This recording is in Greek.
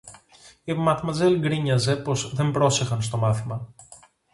Η Ματμαζέλ γρίνιαζε πως δεν πρόσεχαν στο μάθημα